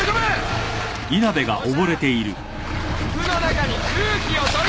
服の中に空気を取り。